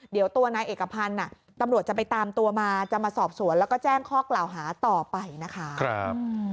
เดี๋ยวตัวนายเอกพันธ์ตำรวจจะไปตามตัวมาจะมาสอบสวนแล้วก็แจ้งข้อกล่าวหาต่อไปนะคะ